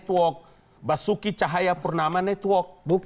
atau tidak ada yang mendeklarasikan diri saya ini pendukung penista agama tidak ada